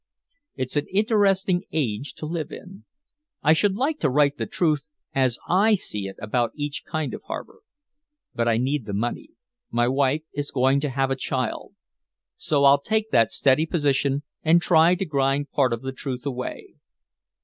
It's an interesting age to live in. I should like to write the truth as I see it about each kind of harbor. But I need the money my wife is going to have a child. So I'll take that steady position and try to grind part of the truth away."